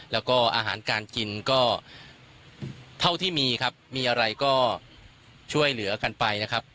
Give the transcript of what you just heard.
แล้วก็อาหารการกินก็เท่าที่มีครับมีอะไรก็ช่วยเหลือกันไปนะครับ